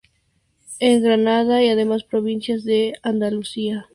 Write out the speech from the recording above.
En Granada y demás provincias de Andalucía Oriental han llegado algunas hasta nuestros días.